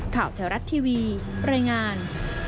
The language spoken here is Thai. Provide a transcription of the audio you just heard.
ข่าวแถวรัฐทีวีบริงาร